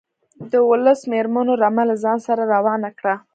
د اوولس مېرمنو رمه له ځان سره روانه کړه.